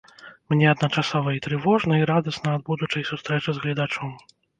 Мне адначасова і трывожна, і радасна ад будучай сустрэчы з гледачом.